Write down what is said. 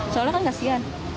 soalnya kan kasihan